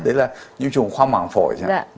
đấy là nhiễm trùng khoa mạng phổi